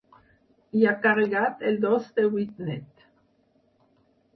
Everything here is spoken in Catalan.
I ha carregat el dos de vuit net.